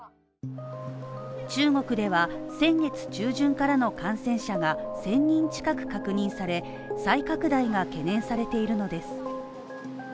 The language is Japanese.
中国では先月中旬からの感染者が１０００人近く確認され、再拡大が懸念されているのです。